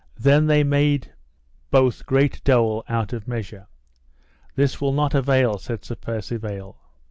Then they made both great dole out of measure. This will not avail, said Sir Percivale.